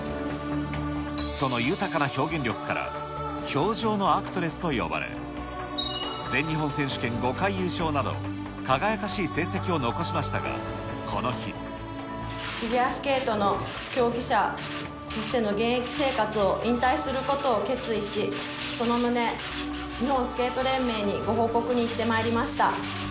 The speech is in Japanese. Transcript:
その豊かな表現力から、氷上のアクトレスと呼ばれ、全日本選手権５回優勝など、輝かしい成績を残しましたが、フィギュアスケートの競技者としての現役生活を引退することを決意し、その旨、日本スケート連盟にご報告に行ってまいりました。